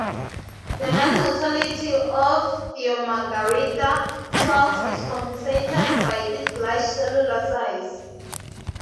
The non-motility of "Thiomargarita" cells is compensated by its large cellular size.